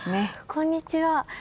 こんにちは。